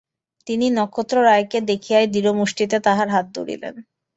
তিনি নক্ষত্ররায়কে দেখিয়াই দৃঢ় মুষ্টিতে তাঁহার হাত ধরিলেন।